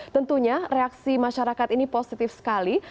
tentunya reaksi masyarakat ini positif sekali